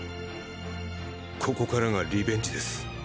ここからがリベンジです。